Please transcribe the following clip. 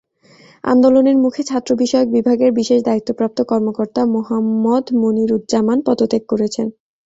আন্দোলনের মুখে ছাত্রবিষয়ক বিভাগের বিশেষ দায়িত্বপ্রাপ্ত কর্মকর্তা মোহামঞ্চদ মনিরুজ্জামান পদত্যাগ করেছেন।